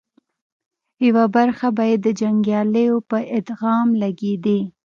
يوه برخه به یې د جنګياليو په ادغام لګېدې